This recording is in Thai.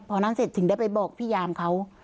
พอนั่นเสร็จถึงได้ไปบอกพี่ยามเขา